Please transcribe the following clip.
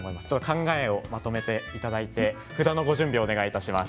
考えをまとめていただいて札のご準備をお願いします。